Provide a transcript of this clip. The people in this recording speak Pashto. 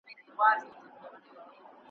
د سټیج له سر څخه `